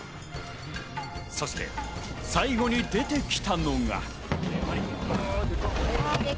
そして最後に出てきたのが。